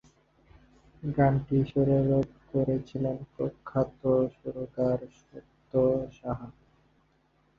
গানটি সুরারোপ করেছিলেন প্রখ্যাত সুরকার সত্য সাহা।